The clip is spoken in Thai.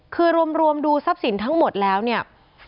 คือรวมดูทรัพย์สินทั้งหมดแล้วเนี่ย